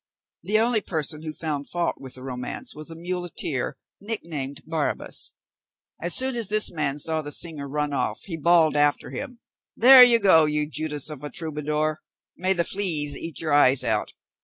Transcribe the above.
The only person who found fault with the romance was a muleteer, nicknamed Barrabas. As soon as this man saw the singer run off, he bawled after him; "There you go, you Judas of a troubadour! May the fleas eat your eyes out!